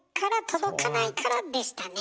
「届かないから」でしたね。